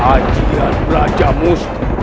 hajian peraja musuh